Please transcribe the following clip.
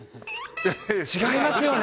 違いますよね。